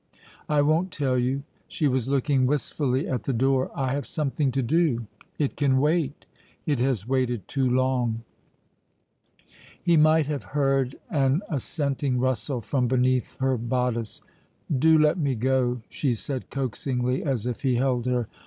"I won't tell you." She was looking wistfully at the door. "I have something to do." "It can wait." "It has waited too long." He might have heard an assenting rustle from beneath her bodice. "Do let me go," she said coaxingly, as if he held her.